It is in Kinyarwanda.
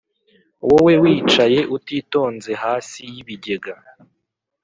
wowe wicaye utitonze hasi y'ibigega,